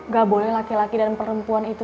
gak boleh laki laki dan perempuan itu